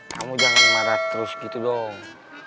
kamu jangan marah terus gitu dong